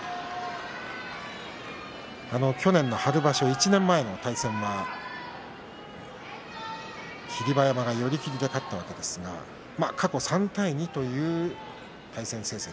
去年の春場所１年前の対戦は霧馬山が寄り切りで勝ったわけですが過去３対２という対戦成績。